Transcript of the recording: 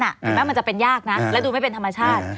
เห็นไหมมันจะเป็นยากนะแล้วดูไม่เป็นธรรมชาติ